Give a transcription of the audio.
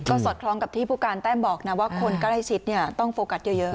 สอดคล้องกับที่ผู้การแต้มบอกนะว่าคนใกล้ชิดต้องโฟกัสเยอะ